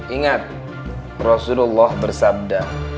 ingat rasulullah bersabda